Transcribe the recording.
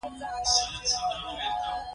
دا وچکالي یوازې په تاسې نه ده.